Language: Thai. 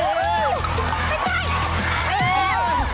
รู้ที่หนึ่ง